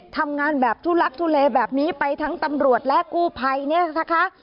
ทำงานแบบทุลักทุเลแบบนี้ไปทั้งตำรวจและกู้ภัยเนี่ยนะคะ